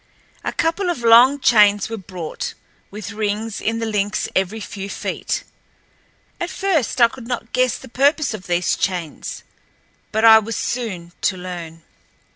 A couple of long chains were brought, with rings in the links every few feet. At first I could not guess the purpose of these chains. But I was soon to learn.